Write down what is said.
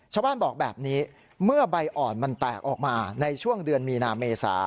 ชาวบ้านบอกแบบนี้เมื่อใบอ่อนมันแตกออกมาในช่วงเดือนมีนาเมษา